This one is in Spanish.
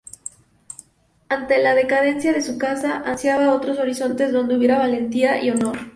Ante la decadencia de su casa, ansiaba otros horizontes donde hubiera valentía y honor.